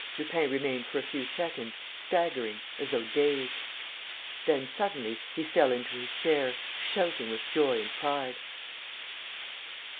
Lupin remained for a few seconds, staggering, as though dazed. ... Then, suddenly, he fell into his chair, shouting with joy and pride.